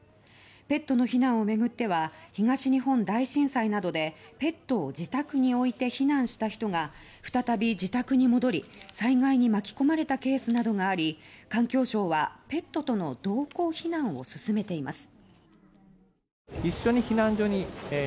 ペットの避難を巡っては東日本大震災などでペットを自宅に置いて避難した人が再び自宅に戻り災害に巻き込まれたケースなどがあり環境省はペットとの同行避難を勧めています。